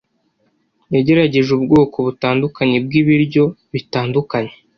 Yagerageje ubwoko butandukanye bwibiryo bitandukanye.